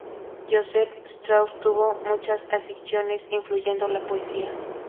Joseph Strauss tuvo muchas aficiones, incluyendo la poesía.